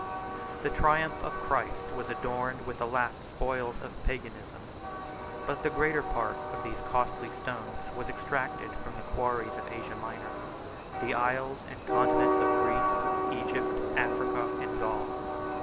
The triumph of Christ was adorned with the last spoils of Paganism, but the greater part of these costly stones was extracted from the quarries of Asia Minor, the isles and continent of Greece, Egypt, Africa, and Gaul.